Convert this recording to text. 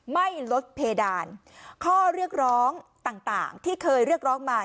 ไม่ลดเพดานข้อเรียกร้องต่างที่เคยเรียกร้องมา